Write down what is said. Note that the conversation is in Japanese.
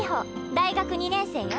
大学２年生よ。